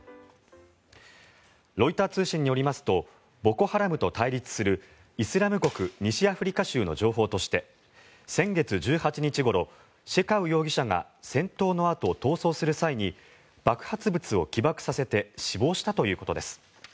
ロイター通信によりますとボコ・ハラムと対立するイスラム国西アフリカ州の情報として先月１８日ごろシェカウ容疑者が戦闘のあと、逃走する際に爆発物を起爆させて死亡したということです。